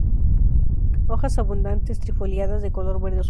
Hojas abundantes, trifoliadas, de color verde obscuro.